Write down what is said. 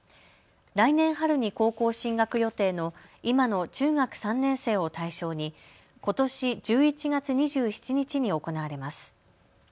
来年春に高校進学予定の今の中学３年生を対象にことし１１月２７日に行われます。